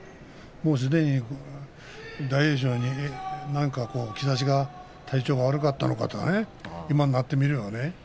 もうすでに大栄翔になんかこう兆しがね体調が悪かったのかとか今になってみるとね